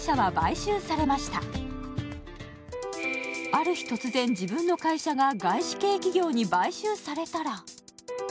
ある日突然、自分の会社が外資系企業に買収されたら。